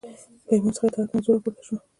له امام څخه اطاعت موضوع راپورته شوه